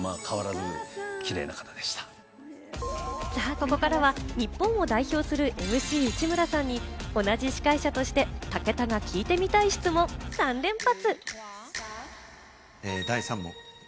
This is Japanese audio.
ここからは日本を代表するＭＣ・内村さんに同じ司会者として、武田が聞いてみたい質問３連発。